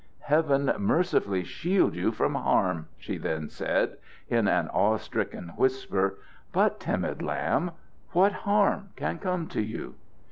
"Heaven mercifully shield you from harm!" she then said, in an awe stricken whisper. "But, timid lamb, what harm can come to you?"